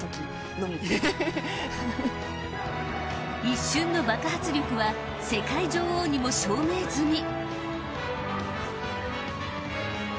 一瞬の爆発力は世界女王にも証明済み。